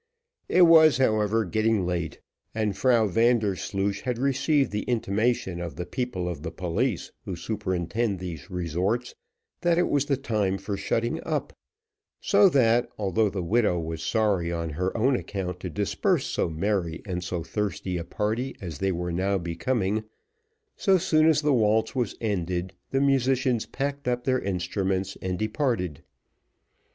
It was, however, getting late, and Frau Vandersloosh had received the intimation of the people of the police who superintend these resorts, that it was the time for shutting up; so that, although the widow was sorry on her own account to disperse so merry and so thirsty a party as they were now becoming, so soon as the waltz was ended the musicians packed up their instruments and departed.